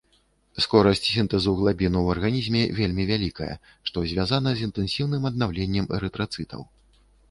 Скорасць сінтэзу глабіну ў арганізме вельмі вялікая, што звязана з інтэнсіўным аднаўленнем эрытрацытаў.